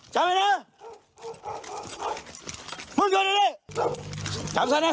จับไอ้หน้าจับไอ้หน้า